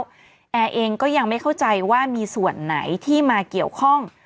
แล้วแอร์เองก็ยังไม่เข้าใจว่ามีส่วนไหนที่มาเกี่ยวข้อง